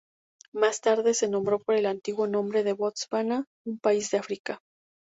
Más tarde se nombró por el antiguo nombre de Botswana, un país de África.